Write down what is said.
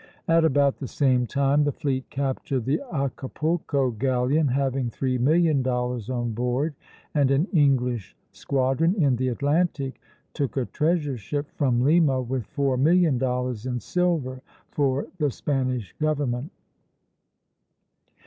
At about the same time the fleet captured the Acapulco galleon having three million dollars on board, and an English squadron in the Atlantic took a treasure ship from Lima with four million dollars in silver for the Spanish government.